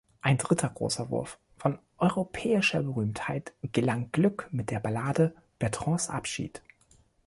Ein dritter großer Wurf von europäischer Berühmtheit gelang Glück mit der Ballade "Bertrands Abschied".